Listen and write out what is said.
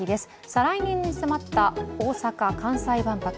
再来年に迫った大阪・関西万博。